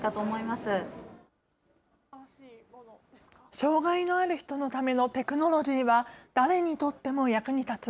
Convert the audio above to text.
障害のある人のためのテクノロジーは、誰にとっても役に立つ。